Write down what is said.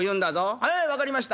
「はい分かりました。